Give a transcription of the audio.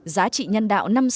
giá trị nhân đạo năm sau